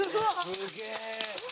すげえ！